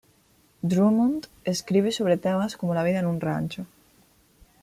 Drummond Escribe sobre temas como la vida en un rancho.